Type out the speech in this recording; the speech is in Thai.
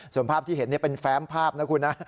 ส่วนภาพที่เห็นเป็นแฟ้มภาพนะคุณนะ